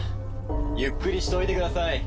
ゆっくりしておいてください。